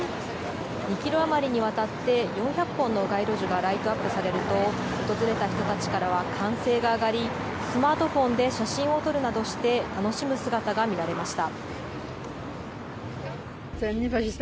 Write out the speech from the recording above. ２キロ余りにわたって４００本の街路樹がライトアップされると、訪れた人たちからは歓声が上がり、スマートフォンで写真を撮るなどして、楽しむ姿が見られました。